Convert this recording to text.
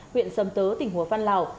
huyện sâm tớ tỉnh hùa văn lào